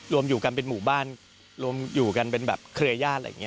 รวมอยู่กันเป็นหมู่บ้านรวมอยู่กันเป็นแบบเครือญาติอะไรอย่างนี้